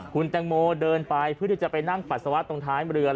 คุณแตงโมเดินไปเพื่อที่จะไปนั่งปัสสาวะตรงท้ายเรือ